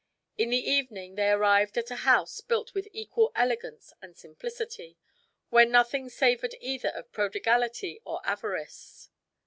In the evening they arrived at a house built with equal elegance and simplicity, where nothing savored either of prodigality or avarice.